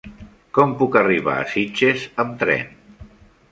Com puc arribar a Sitges amb tren?